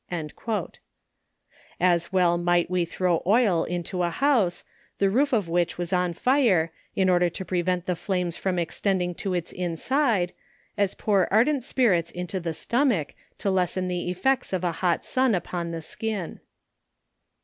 "* As well might we throw oil into a house, the roof of which was on fire, in order to prevent the flames from extending to its inside, as pour ardent spirits into the stomach, to lessen the effects of a hot sun upon the skin.